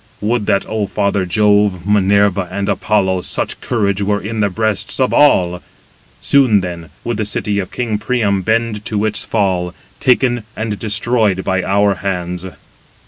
Would that, O father Jove, Minerva, and Apollo, such courage were in the breasts of all; soon then would the city of king Priam bend to its fall, taken and destroyed by our hands."